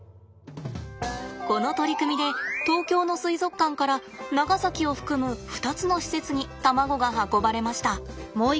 この取り組みで東京の水族館から長崎を含む２つの施設に卵が運ばれました。